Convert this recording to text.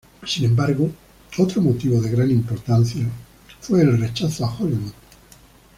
Sin embargo, otro motivo de gran importancia fue el rechazo a Hollywood.